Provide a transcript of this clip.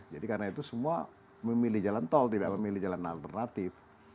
jadi karena itu semua memilih jalan tol tidak memilih jalan alternatif